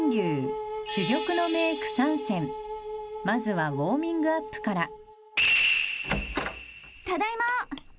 ［まずはウオーミングアップから］